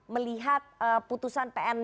melihat putusan pn